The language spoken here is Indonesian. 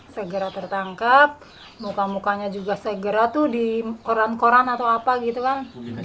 segera tertangkap muka mukanya juga segera tuh di koran koran atau apa gitu kan